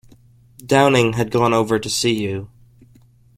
Downing had gone over to see you.